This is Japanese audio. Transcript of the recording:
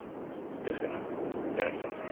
ですが柳沢さん